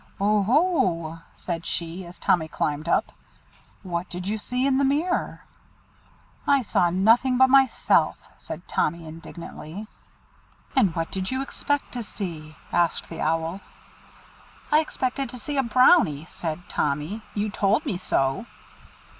"Oohoo!" said she, as Tommy climbed up. "What did you see in the mere?" "I saw nothing but myself," said Tommy indignantly. "And what did you expect to see?" asked the Owl. "I expected to see a Brownie," said Tommy; "you told me so."